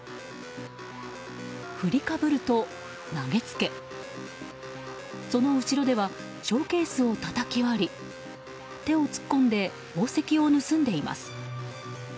振りかぶると投げつけその後ろではショーケースをたたき割り手を突っ込んで宝石を盗んでいます。